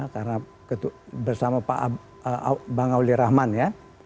karena bersama pak bangauli rahman ya